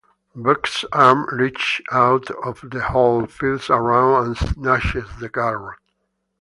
Bugs' arm reaches out of the hole, feels around, and snatches the carrot.